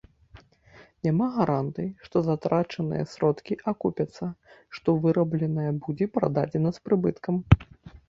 Няма гарантый, што затрачаныя сродкі акупяцца, што вырабленае будзе прададзена з прыбыткам.